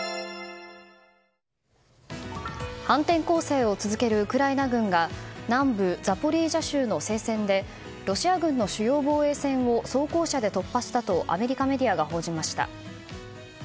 反転攻勢を続けるウクライナ軍が南部ザポリージャ州の戦線でロシア軍の主要防衛線を装甲車で突破したとアメリカメディアが報じました。